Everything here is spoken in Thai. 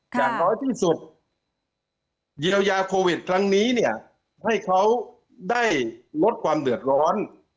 อย่างน้อยที่สุดเยียวยาโควิดครั้งนี้เนี่ยให้เขาได้ลดความเดือดร้อน